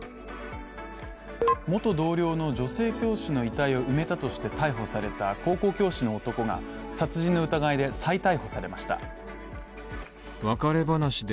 元同僚の女性教師の遺体を埋めたとして逮捕された高校教師の男が殺人の疑いで再逮捕されました。